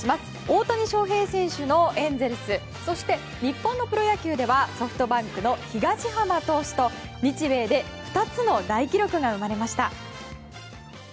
大谷翔平選手のエンゼルスそして、日本のプロ野球ではソフトバンクの東浜投手と日米で２つの大記録が生まれました。